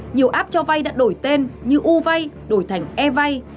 nhiều app cho vay đã đổi tên như u vay đổi thành e vay